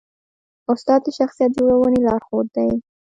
استاد د شخصیت جوړونې لارښود دی.